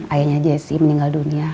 ayahnya jesse meninggal dunia